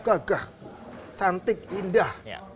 gagah cantik indah